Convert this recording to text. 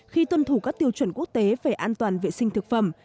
khi tuân thủ các tiêu chuẩn quốc tế về an toàn vệ sinh thực phẩm